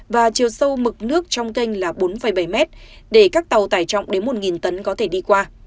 và chiều sâu mực nước trong kênh là bốn bảy m để các tàu tải trọng đến một tấn có thể đi qua